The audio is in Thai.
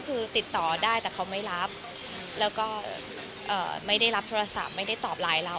คือติดต่อได้แต่เขาไม่รับแล้วก็ไม่ได้รับโทรศัพท์ไม่ได้ตอบไลน์เรา